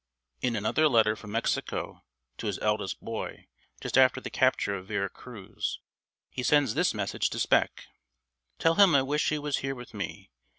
..." In another letter from Mexico to his eldest boy, just after the capture of Vera Cruz, he sends this message to Spec: "... Tell him I wish he was here with me.